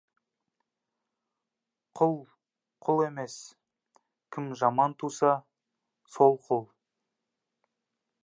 Құл — құл емес, кім жаман туса, сол — құл.